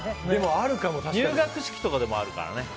入学式とかでもあるからね。